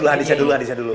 hadisnya dulu hadisnya dulu